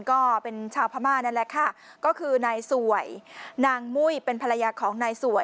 ก็เป็นชาวพม่านั่นแหละค่ะก็คือนายสวยนางมุ้ยเป็นภรรยาของนายสวย